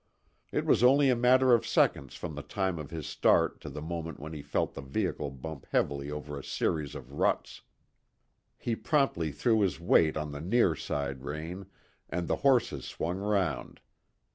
It was only a matter of seconds from the time of his start to the moment when he felt the vehicle bump heavily over a series of ruts. He promptly threw his weight on the near side rein, and the horses swung round.